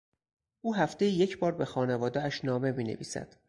او هفتهای یکبار به خانوادهاش نامه مینویسد.